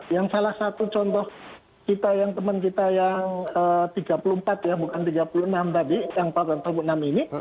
yang salah satu contoh kita yang teman kita yang tiga puluh empat ya bukan tiga puluh enam tadi yang empat ratus empat puluh enam ini